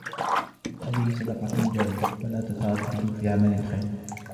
هذه صدقة جارية فلا تترددوا في عمل الخير